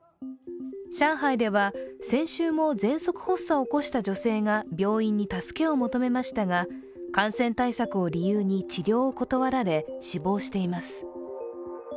上海では先週もぜんそく発作を起こした女性が病院に助けを求めましたが、感染対策を理由に治療を断られ、死亡しています。